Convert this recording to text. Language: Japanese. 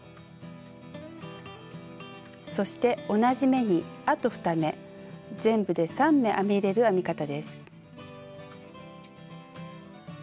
そして同じ目にあと２目全部で３目編み入れる編み方です。